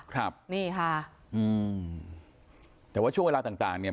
ครับนี่ค่ะอืมแต่ว่าช่วงเวลาต่างต่างเนี่ย